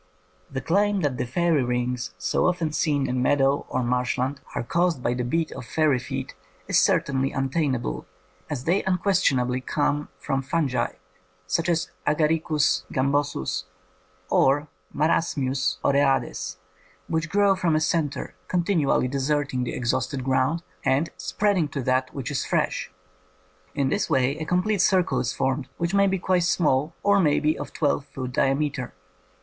The claim that the fairy rings so often seen in meadow or marshland are caused by 142 INDEPENDENT EVIDENCE FOR FAIRIES the beat of fairy feet is certainly untenable, as they unquestionably come from fungi such as Agaricus gamhosus or Marasmius oreades, which grow from a centre, con tinually deserting the exhausted ground, and spreading to that which is fresh. In this way a complete circle is formed, which may be quite small or may be of twelve foot diameter.